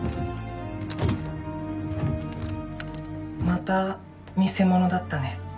また偽物だったね